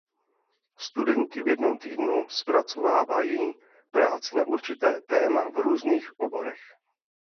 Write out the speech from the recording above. Studenti v jednom týdnu zpracovávají práci na určité téma v různých oborech.